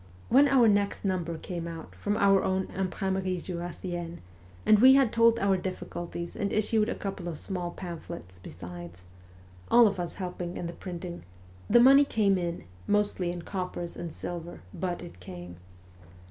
When our next number came out from our own Imprimerie Jurassienne, and we had told our difficulties and issued a couple of small pamphlets besides all of us helping in the printing the money came in, mostly in coppers and silver, but it came.